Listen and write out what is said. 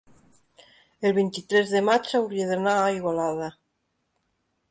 el vint-i-tres de maig hauria d'anar a Igualada.